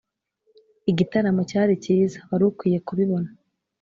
igitaramo cyari cyiza. wari ukwiye kubibona.